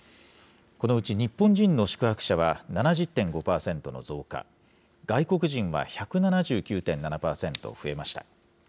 このうち日本人の宿泊者は７０．５％の増加、外国人は１７９．７％増えました。